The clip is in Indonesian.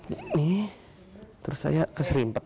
ini terus saya keserimpet